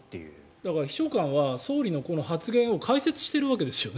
だから秘書官は総理の発言を解説しているわけですよね